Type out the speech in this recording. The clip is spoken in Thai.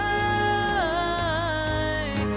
จะสาย